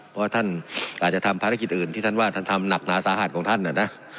เพราะท่านอาจจะทำภารกิจอื่นที่ท่านว่าท่านทำหนักหนาสาหัสของท่านนะนะ